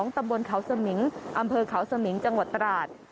ตำบลเขาสมิงอำเภอเขาสมิงจังหวัดตราด